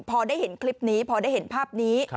พอได้เห็นคลิปนี้พอได้เห็นภาพนี้